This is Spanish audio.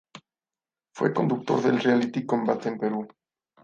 Fue conductor del reality Combate en Perú.